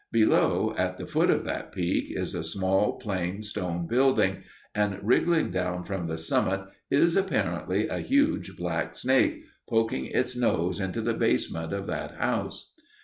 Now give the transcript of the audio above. Below, at the foot of that peak, is a small, plain, stone building, and, wriggling down from the summit, is, apparently, a huge black snake, poking its nose into the basement of that house.